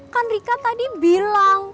kan rika tadi bilang